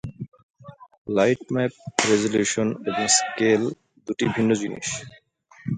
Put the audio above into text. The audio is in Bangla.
লাইটম্যাপ রেজোলিউশন এবং স্কেল দুটি ভিন্ন জিনিস।